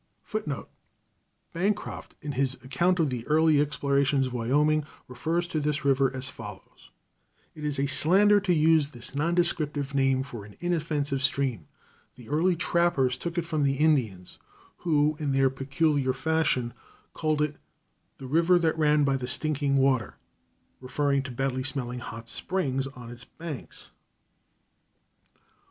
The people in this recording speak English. [Footnote A: Bancroft, in his account of the early explorations of Wyoming, refers to this river as follows: "It is a slander to use this non descriptive name for an inoffensive stream. The early trappers took it from the Indians, who, in their peculiar fashion, called it 'the river that ran by the stinking water,' referring to bad smelling hot springs on its banks."